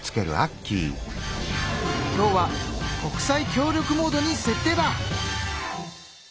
今日は「国際協力」モードに設定だ！